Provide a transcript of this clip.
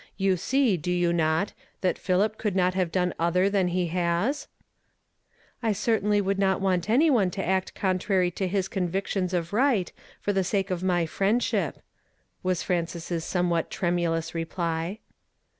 You see, do you not, that Philip could not have done other than he has ?"" I certainly would not want anyone to act con trary to his convictions of right for the sake of my friendsliip," was Frances's somewhat trcnui lous reply.